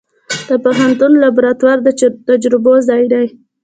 د پوهنتون لابراتوار د تجربو ځای دی.